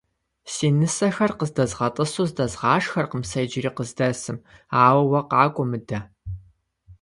Си нысэхэр къыздэзгъэтӏысу здэзгъашхэркъым сэ иджыри къыздэсым, ауэ уэ къакӏуэ мыдэ.